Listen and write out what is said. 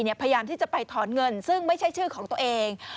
พยายามที่จะไปถอนเงินซึ่งไม่ใช่ชื่อของตัวเอง